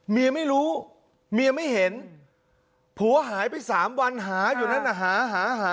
เมียไม่รู้เมียไม่เห็นผัวหายไป๓วันหาอยู่นั่นน่ะหาหา